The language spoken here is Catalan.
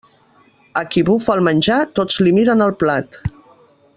A qui bufa el menjar, tots li miren el plat.